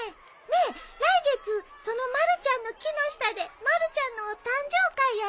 ねえ来月その「まるちゃんの木」の下でまるちゃんのお誕生会やらない？